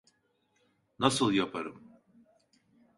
Nasıl yaparım?